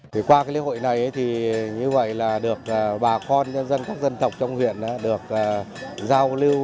thì qua cái lễ hội này thì như vậy là được bà con nhân dân các dân tộc trong huyện được giao lưu